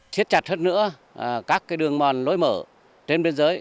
thiết chặt hơn nữa các đường mòn lối mở trên biên giới